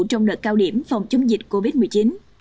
trong đợt cao điểm phòng chống dịch covid một mươi chín